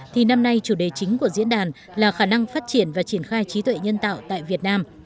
thì năm nay chủ đề chính của diễn đàn là khả năng phát triển và triển khai trí tuệ nhân tạo tại việt nam